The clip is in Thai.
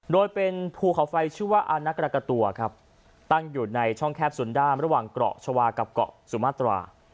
โดยเป็นภูเขาไฟชื่อว่าอาณากรกัวครับตั้งอยู่ในช่องแคบสุนด้ามระหว่างเกาะชาวากับเกาะสุมาตรา